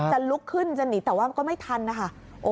จะลุกขึ้นจะหนีแต่ว่ามันก็ไม่ทันนะคะ